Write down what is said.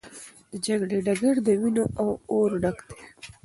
د جګړې ډګر د وینو او اور ډک و.